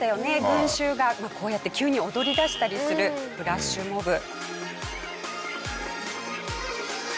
群衆がこうやって急に踊りだしたりするフラッシュモブ。